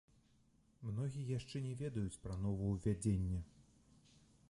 Многія яшчэ не ведаюць пра новаўвядзенне.